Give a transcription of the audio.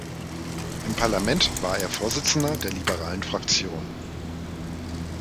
Im Parlament war er Vorsitzender der liberalen Fraktion.